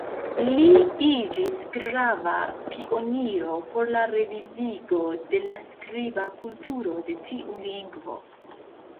Li iĝis grava pioniro por la revivigo de la skriba kulturo de tiu lingvo.